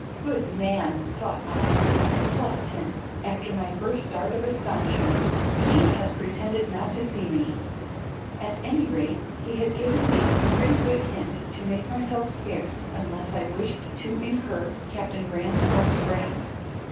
"Good man!" thought I, and blessed him (after my first start of astonishment). "He has pretended not to see me." At any rate he had given me a pretty good hint to make myself scarce unless I wished to incur Captain Branscome's wrath.